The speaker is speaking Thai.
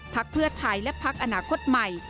พักเพื่อไทยและพักอนาคตใหม่